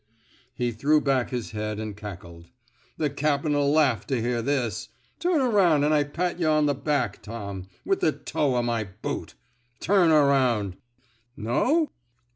He threw back his head and cackled. The cap 'n '11 laugh to hear this. Turn aroun' till I pat y' on the back, Tom — with the toe o ' my boot. Turn ar oun \ No?''